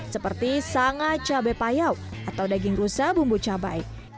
seperti sanga cabai payau atau daging rusa bumbu cabai